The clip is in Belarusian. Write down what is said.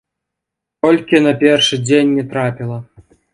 Толькі на першы дзень не трапіла.